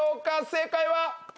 正解は。